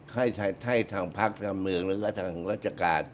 ให้ใช้ทางภรรกาภรรยาเกิด